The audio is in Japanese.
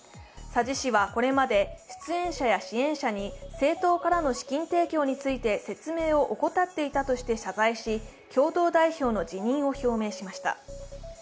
佐治氏はこれまで、出演者や支援者に政党からの資金提供について説明を怠っていたとして謝罪し共同代表の辞任を表明しました。